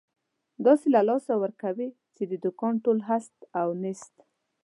داسې له لاسه ورکوې، چې د دوکان ټول هست او نیست.